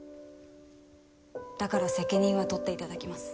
だから責任は取って頂きます。